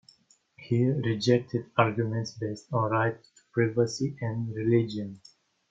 He rejected arguments based on right to privacy and religion.